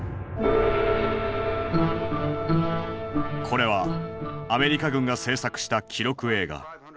これはアメリカ軍が製作した記録映画。